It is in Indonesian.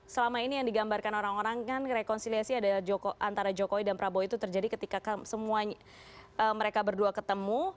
selama ini yang digambarkan orang orang kan rekonsiliasi antara jokowi dan prabowo itu terjadi ketika semua mereka berdua ketemu